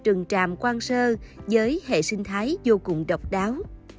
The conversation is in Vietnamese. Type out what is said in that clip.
rừng tràm quang sơ với hệ sinh thái vô cùng độc đáo